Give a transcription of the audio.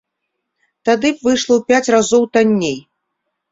Тады б выйшла ў пяць разоў танней.